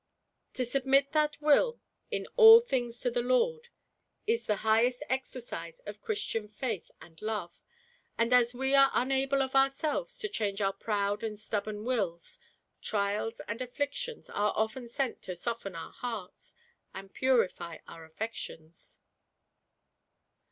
To submit that will in all things to the Lord, is the highest exercise of Christian faith GIANT PRIDE. 163 and love; and as we are unable of ourselves to change our proud and stubborn wills, trials and afflictions are often sent to soften our hearts, and purify our affec tions."